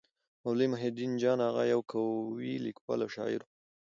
مولوي محی الدين جان اغا يو قوي لیکوال او شاعر وو.